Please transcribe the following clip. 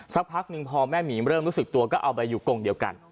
สักพักหนึ่งพอแม่หมีเริ่มรู้สึกตัวก็เอาไปอยู่กงเดียวกัน